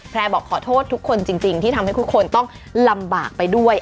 บอกขอโทษทุกคนจริงที่ทำให้ทุกคนต้องลำบากไปด้วย